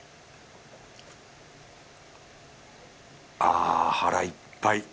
あ腹いっぱい。